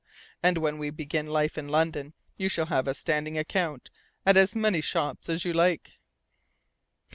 And when we begin life in London, you shall have a standing account at as many shops as you like."